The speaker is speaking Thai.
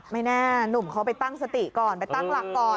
ไม่แน่หนุ่มเขาไปตั้งสติก่อนไปตั้งหลักก่อน